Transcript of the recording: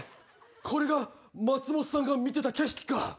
これが松本さんが見てた景色か。